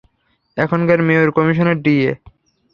এখানকার mayor, commissioner, DA.